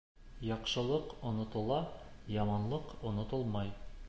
Яҡшылыҡ онотола, яманлыҡ онотолмай.